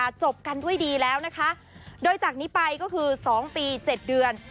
จบกันด้วยดีแล้วนะคะโดยจากนี้ไปก็คือสองปีเจ็ดเดือน